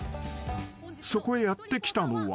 ［そこへやって来たのは］